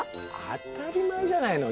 当たり前じゃないの。